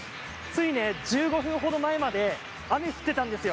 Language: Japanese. つい１５分ほど前まで雨が降っていたんです。